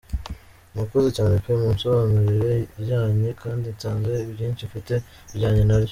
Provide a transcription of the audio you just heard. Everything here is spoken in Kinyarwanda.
Murakoze cyane pe!!!!Munsobanuriye iryanjye kandi nsanze ibyinshi mfite bijyanye naryo!.